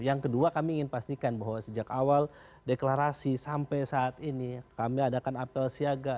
yang kedua kami ingin pastikan bahwa sejak awal deklarasi sampai saat ini kami adakan apel siaga